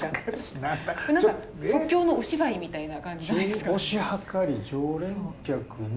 何か即興のお芝居みたいな感じですかね？